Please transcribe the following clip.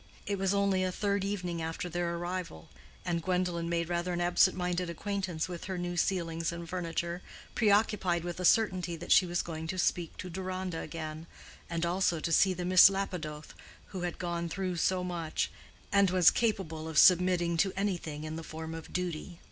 It was only the third evening after their arrival, and Gwendolen made rather an absent minded acquaintance with her new ceilings and furniture, preoccupied with the certainty that she was going to speak to Deronda again, and also to see the Miss Lapidoth who had gone through so much, and was "capable of submitting to anything in the form of duty."